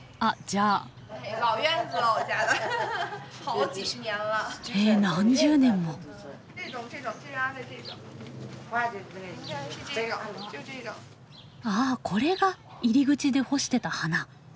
ああこれが入り口で干してた花。